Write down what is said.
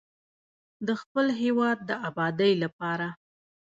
د خپل هیواد د ابادۍ لپاره.